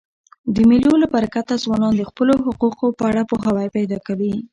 د مېلو له برکته ځوانان د خپلو حقوقو په اړه پوهاوی پیدا کوي.